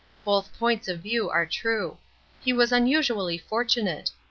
Both points of view are true. He was unusually fortunate.